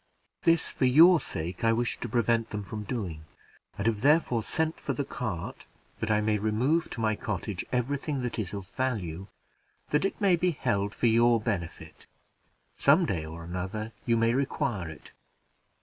This, for your sake I wish to prevent them from doing, and have therefore sent for the cart, that I may remove to my cottage every thing that is of value, that it may be held for your benefit; some day or another you may require it.